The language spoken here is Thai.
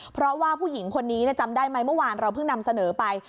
เพราะว่าผู้หญิงคนนี้จำได้ไหมเมื่อวานเราเพิ่งนำเสนอไป